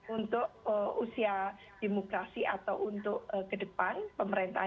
untuk usia demokrasi atau untuk kedepan pemerintahan